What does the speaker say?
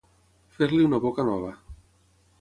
Fer-li una boca nova.